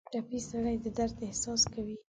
ټپي سړی د درد احساس کوي.